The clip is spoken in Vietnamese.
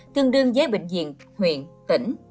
tương đương với bệnh viện huyện tỉnh